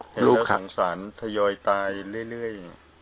เห็นแล้วสงสารทยอยตายเรื่อย